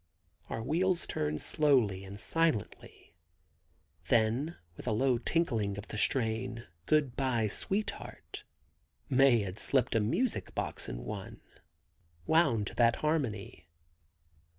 Our wheels turn slowly and silently. Then with a low tinkling of the strain, "Good Bye, Sweet Heart," Mae had slipped her music box in one, wound to that harmony.